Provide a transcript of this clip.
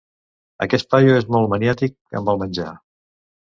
Aquest paio és molt maniàtic amb el menjar.